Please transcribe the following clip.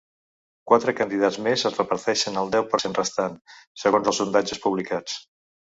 Quatre candidats més es reparteixen el deu per cent restant, segons els sondatges publicats.